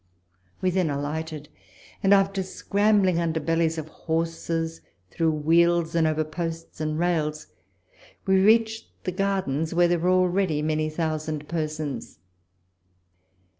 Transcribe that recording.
We then alighted; and after scrambling under bellies of horses, through wheels, and over posts and rails, we reached the gardens, where were already many thousand persons.